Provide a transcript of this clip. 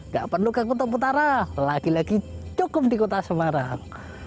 gak perlu ke kota utara lagi lagi cukup di kota semarang